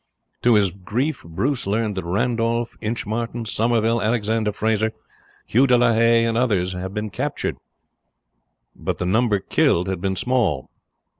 To his grief Bruce learned that Randolph, Inchmartin, Somerville, Alexander Fraser, Hugh de la Haye, and others had been captured, but the number killed had been small.